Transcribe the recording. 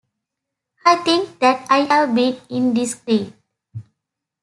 I think that I have been indiscreet.